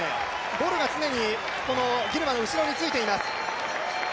ボルが常にギルマの後ろについています。